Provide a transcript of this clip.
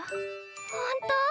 本当？